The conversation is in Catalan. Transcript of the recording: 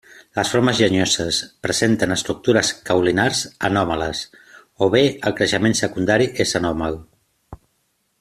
Les formes llenyoses presenten estructures caulinars anòmales o bé el creixement secundari és anòmal.